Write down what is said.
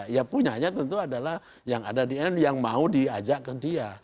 ya punyanya tentu adalah yang ada di nu yang mau diajak ke dia